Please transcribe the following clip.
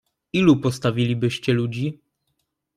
"Ilu postawilibyście ludzi?"